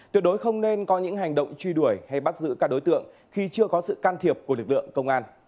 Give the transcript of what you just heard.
tuyệt đối không nên có những hành động truy đuổi hay bắt giữ các đối tượng khi chưa có sự can thiệp của lực lượng công an